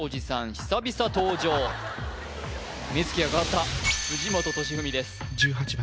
久々登場目つきが変わった藤本敏史です